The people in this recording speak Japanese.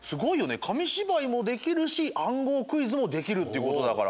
かみしばいもできるしあんごうクイズもできるっていうことだから。